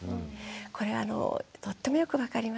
これはあのとってもよく分かりますね。